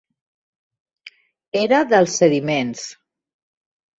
Era dels sediments.